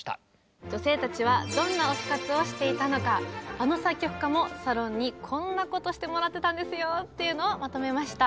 あの作曲家もサロンにこんなことしてもらってたんですよっていうのをまとめました。